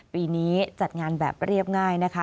ปีนี้จัดงานแบบเรียบง่ายนะคะ